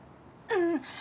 うん。